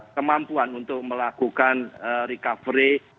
kemampuan untuk melakukan recovery